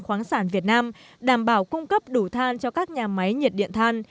khoáng sản việt nam đảm bảo cung cấp đủ than cho các nhà máy nhiệt điện than